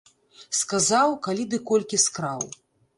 Сказаў, калі ды колькі скраў.